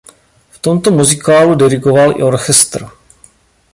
V tomto muzikálu dirigoval i orchestr.